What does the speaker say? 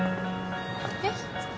えっ？